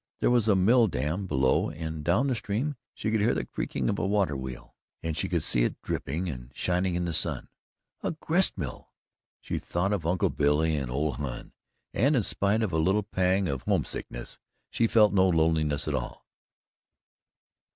There was a mill dam below and down the stream she could hear the creaking of a water wheel, and she could see it dripping and shining in the sun a gristmill! She thought of Uncle Billy and ole Hon, and in spite of a little pang of home sickness she felt no loneliness at all.